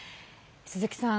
鈴木さん